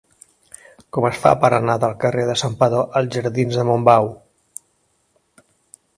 Com es fa per anar del carrer de Santpedor als jardins de Montbau?